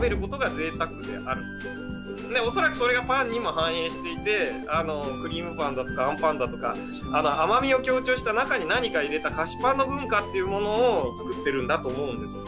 それを引き継いでクリームパンだとかあんパンだとか甘みを強調した中に何か入れた菓子パンの文化っていうものをつくってるんだと思うんです。